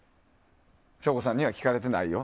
省吾さんには聞かれてないよ。